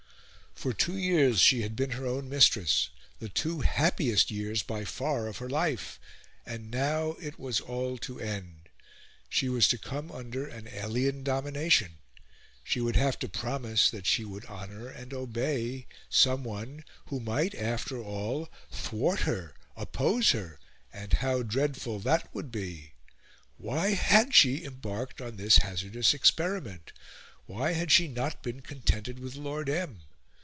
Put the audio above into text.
For two years she had been her own mistress the two happiest years, by far, of her life. And now it was all to end! She was to come under an alien domination she would have to promise that she would honour and obey... someone, who might, after all, thwart her, oppose her and how dreadful that would be! Why had she embarked on this hazardous experiment? Why had she not been contented with Lord M.?